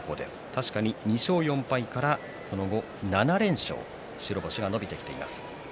確かに２勝４敗からその後７連勝白星が伸びてきています。